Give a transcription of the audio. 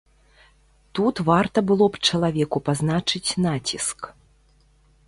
Тут варта было б чалавеку пазначыць націск.